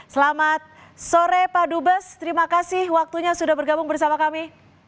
selamat sore pak dubes terima kasih waktunya sudah bergabung bersama kami